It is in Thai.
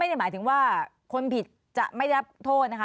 ไม่ได้หมายถึงว่าคนผิดจะไม่ได้รับโทษนะคะ